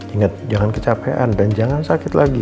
ingat jangan kecapean dan jangan sakit lagi